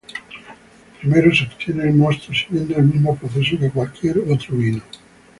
Primero se obtiene el mosto, siguiendo el mismo proceso que cualquier otro vino.